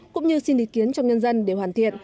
cũng như xin ý kiến trong nhân dân để hoàn thiện